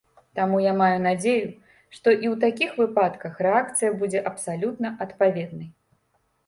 Таму я маю надзею, што і ў такіх выпадках рэакцыя будзе абсалютна адпаведнай.